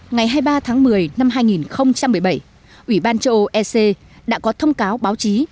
ngày hai mươi ba tháng một mươi năm hai nghìn một mươi bảy ủy ban châu âu ec đã có thông cáo báo chí